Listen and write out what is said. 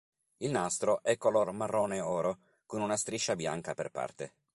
Il nastro è color marrone-oro con una striscia bianca per parte.